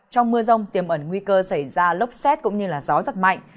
trong mưa rông tiềm ẩn nguy cơ xảy ra lốc xét cũng như gió rất mạnh